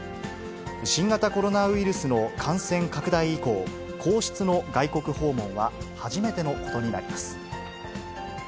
新型コロナウイルスの感染拡大以降、皇室の外国訪問は初めてのことになります。